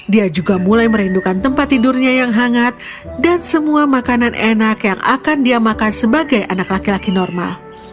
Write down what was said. dia juga mulai merindukan tempat tidurnya yang hangat dan semua makanan enak yang akan dia makan sebagai anak laki laki normal